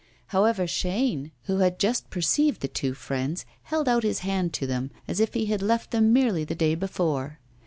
However, Chaîne, who had just perceived the two friends, held out his hand to them, as if he had left them merely the day before.